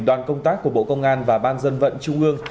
đoàn công tác của bộ công an và ban dân vận trung ương